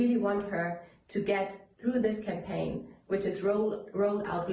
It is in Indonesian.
dan kami benar benar ingin dia mencapai kemampuan ini